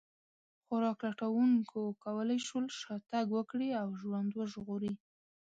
خوراک لټونکو کولی شول شا تګ وکړي او ژوند وژغوري.